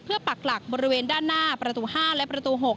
ปักหลักบริเวณด้านหน้าประตู๕และประตู๖